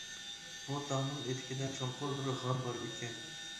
بۇ تاغنىڭ ئېتىكىدە چوڭقۇر بىر غار بار ئىكەن.